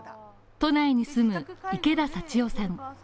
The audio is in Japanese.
都内に住む池田幸代さん。